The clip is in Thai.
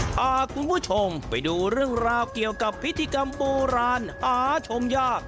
พาคุณผู้ชมไปดูเรื่องราวเกี่ยวกับพิธีกรรมโบราณหาชมยาก